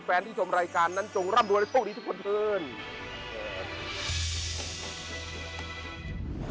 แฟนที่ชมรายการนั้นจงร่ำรวยและโชคดีทุกคนเถิน